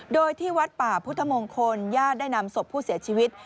โดยที่วัดป่าพุทธมงคลญาติได้นำศพผู้เสียชีวิต